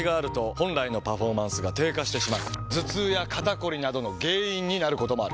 頭痛や肩こりなどの原因になることもある。